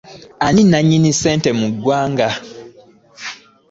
Ani nannyini ssente mu ggwanga?